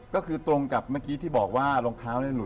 ก็คือตรงกับเมื่อกี้ที่บอกว่ารองเท้าเนี่ยหุ